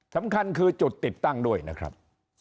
สำคัญคือจุดติดตั้งด้วยนะครับ